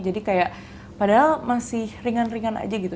jadi kayak padahal masih ringan ringan aja gitu